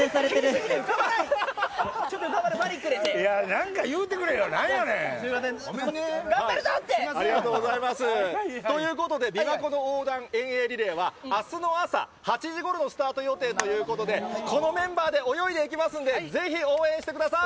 なんか言うてくれよ、なんやありがとうございます。ということで、びわ湖横断遠泳リレーはあすの朝８時ごろのスタート予定ということで、このメンバーで泳いでいきますんで、ぜひ応援してください。